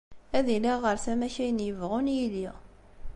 Ad iliɣ ɣer tama-k, ayen yebɣun yili.